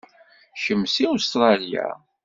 Kemm seg Ustṛalya?